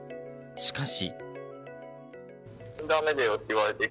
しかし。